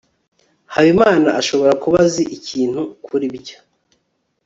habimana ashobora kuba azi ikintu kuri ibyo